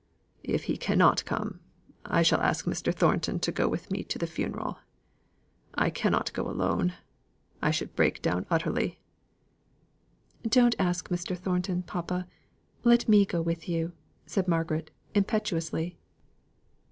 "If he cannot come, I shall ask Mr. Thornton to go with me to the funeral. I cannot go alone. I should break down utterly." "Don't ask Mr. Thornton, papa. Let me go with you," said Margaret, impetuously.